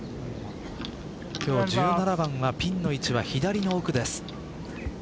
今日１７番はピンの位置は左の奥です。